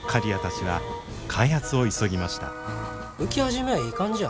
浮き始めはいい感じや。